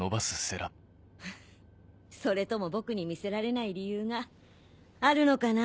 フッそれとも僕に見せられない理由があるのかな？